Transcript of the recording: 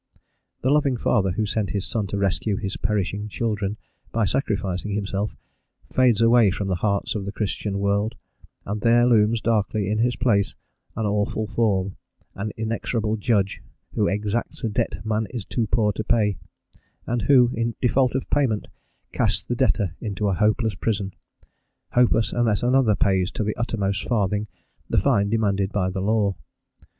The loving Father who sent his son to rescue his perishing children by sacrificing himself, fades away from the hearts of the Christian world, and there looms darkly in his place an awful form, the inexorable judge who exacts a debt man is too poor to pay, and who, in default of payment, casts the debtor into a hopeless prison, hopeless unless another pays to the uttermost farthing the fine demanded by the law.